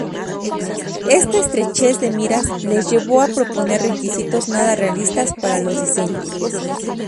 Esta estrechez de miras les llevó a proponer requisitos nada realistas para los diseños.